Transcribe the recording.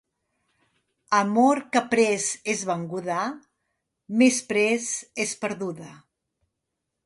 Amor que prest és venguda, més prest és perduda.